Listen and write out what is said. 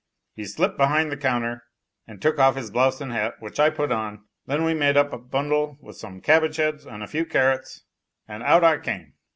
He slipped behind the counter and took off his blouse and hat, which I put on. Then we made up a bundle with some cabbage heads and a few carrots, and out I came.